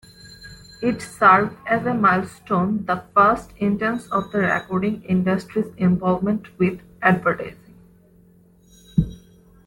It served as a milestone-the first instance of the recording industry's involvement with advertising.